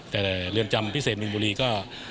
แต่เรือนจำพิเศษมีนบุรีก็